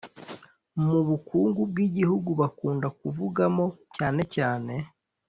Mu bukungu bw’igihugu, bakunda kuvugamo cyanecyane